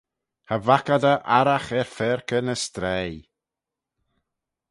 Cha vaik ad eh arragh er faarkey ny straih.